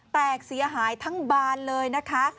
แตกเสียหายทั้งบานเลยนะคะ